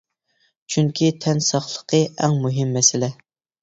چۈنكى تەن ساقلىقى ئەڭ مۇھىم مەسىلە.